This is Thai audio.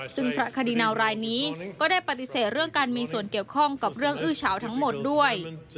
ซึ่งพระคดีเนารายนี้ก็ได้ปฏิเสธเรื่องการมีส่วนเกี่ยวข้องกับเรื่องอื้อเฉาทั้งหมดด้วย